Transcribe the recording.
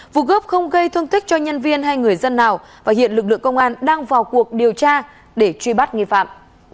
vụ cướp không gây thương tích cho nhân viên hay người dân nào và hiện lực lượng công an đang vào cuộc điều tra để truy bắt nghi phạm